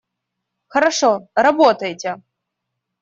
Хорошо, работайте!